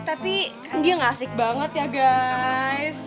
tapi kan dia gak asik banget ya guys